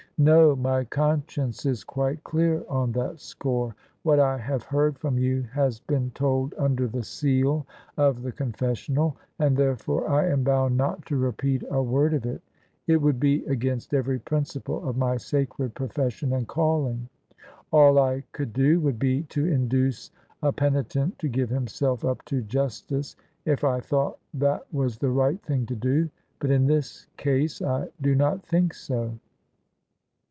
" No; my conscience is quite dear on that score. What I have heard from you has been told imder the seal of the con fessk)nal> and therefore I am bound not to repeat a word of ! OF ISABEL CARNABY It. It would be against every principle of my sacred profes sion and calling. All I could do would be to induce a peni tent to give himself up to justice, if I thought that was the right thing to do : but in this case I do not think so."